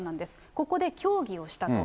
ここで協議をしたと。